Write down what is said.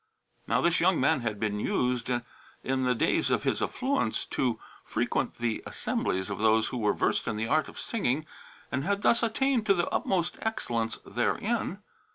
Now this young man had been used, in the days of his affluence, to frequent the assemblies of those who were versed in the art of singing and had thus attained to the utmost excellence therein.